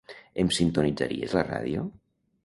Em sintonitzaries la ràdio?